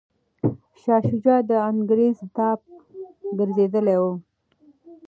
شاه شجاع د انګریز تابع ګرځېدلی و.